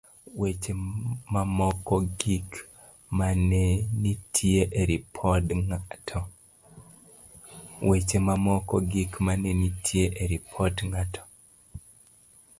weche mamoko gik manenitie e Ripot Ng'ato